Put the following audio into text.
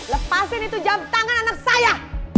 lepasin itu jam tangan anak saya